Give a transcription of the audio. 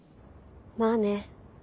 まあね。